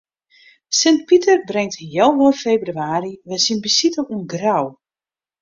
Sint Piter bringt healwei febrewaarje wer syn besite oan Grou.